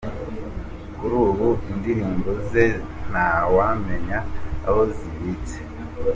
Kuri ubu indirimbo ze ntawamenya aho zibitse.